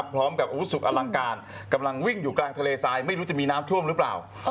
พร้อมกับอาวุสุขอลังการกำลังวิ่งอยู่กลางทะเลทรายไม่รู้จะมีน้ำท่วมหรือเปล่า